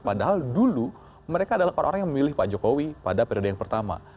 padahal dulu mereka adalah orang orang yang memilih pak jokowi pada periode yang pertama